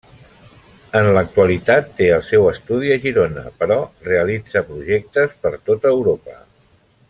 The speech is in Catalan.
En l'actualitat té el seu estudi a Girona però realitza projectes per tota Europa.